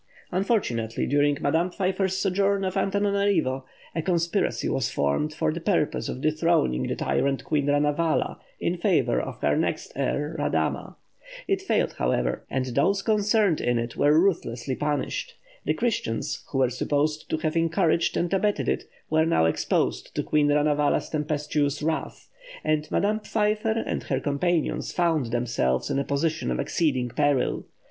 Unfortunately, during Madame Pfeiffer's sojourn at Antananarivo, a conspiracy was formed for the purpose of dethroning the tyrant queen Ranavala in favour of the next heir, Radama. It failed, however, and those concerned in it were ruthlessly punished. The Christians, who were supposed to have encouraged and abetted it, were now exposed to Queen Ranavala's tempestuous wrath, and Madame Pfeiffer and her companions found themselves in a position of exceeding peril.